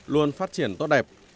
luôn phát triển tốt đẹp